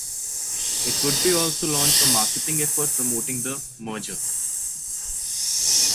It would also launch a marketing effort promoting the merger.